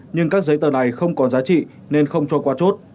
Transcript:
nhưng các giấy tờ này không còn giá trị nên không cho qua chốt